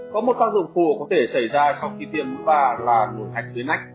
có một tác dụng phổ có thể xảy ra sau khi tiêm mũi ba là nổi hạch dưới nách